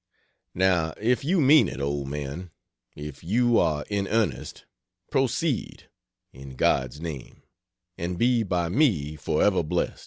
Now if you mean it, old man if you are in earnest proceed, in God's name, and be by me forever blest.